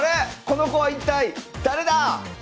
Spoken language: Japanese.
この子は一体誰だ！